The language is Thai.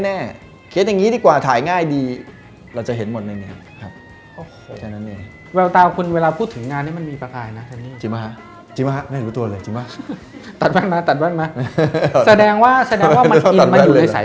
แสดงว่ามันอินมันอยู่ในสายเลือดเลยใช่ปะ